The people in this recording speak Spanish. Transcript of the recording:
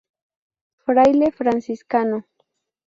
Fraile franciscano.